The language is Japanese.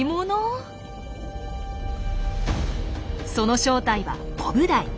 その正体はコブダイ。